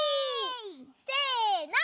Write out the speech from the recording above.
せの。